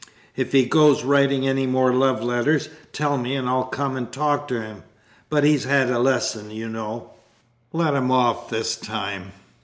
If he goes writing any more love letters, tell me, and I'll come and talk to him; but he's had a lesson, you know. Let him off this time."